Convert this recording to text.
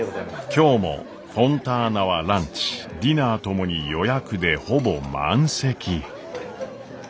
今日もフォンターナはランチディナーともに予約でほぼ満席。